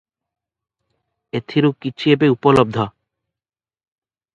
ଏଥିରୁ କିଛି ଏବେ ଉପଲବ୍ଧ ।